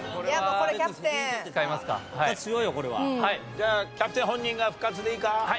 じゃあキャプテン本人が復活でいいか？